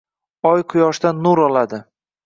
Oy quyoshdan nur oladi.